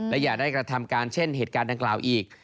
และอย่าได้กระทำการเช่นเหตุการณ์ดังกล่าวอีก